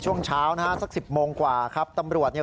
โรงโลกให้ที่สุดส่วนวันนี้